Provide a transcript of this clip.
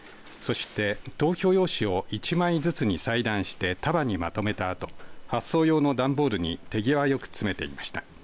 そして、投票用紙を１枚ずつに裁断して、束にまとめたあと発送用の段ボールに手際よく詰めていました。